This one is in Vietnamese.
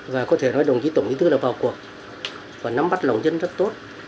và có thể nói đồng chí tổng bí thư là vào cuộc và nắm bắt lòng dân rất tốt